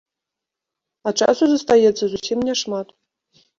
А часу застаецца зусім няшмат.